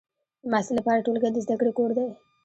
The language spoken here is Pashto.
د محصل لپاره ټولګی د زده کړې کور دی.